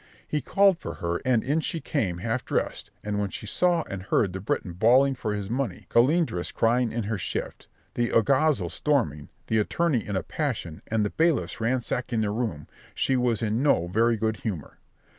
He called for her, and in she came half dressed, and when she saw and heard the Breton bawling for his money, Colindres crying in her shift, the alguazil storming, the attorney in a passion, and the bailiffs ransacking the room, she was in no very good humour.